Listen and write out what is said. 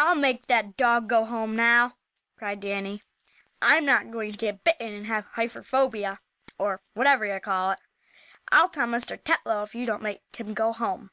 "I'll make that dog go home now!" cried Danny. "I'm not going to get bitten, and have hyperfobia, or whatever you call it. I'll tell Mr. Tetlow if you don't make him go home."